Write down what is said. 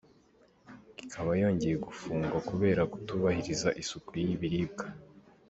Ikaba yongeye gufungwa kubera kutubahiriza isuku y’ibiribwa.